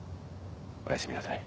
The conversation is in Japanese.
おやすみなさい。